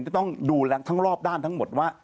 จะต้องดูแลทั้งรอบด้านทั้งหมดว่า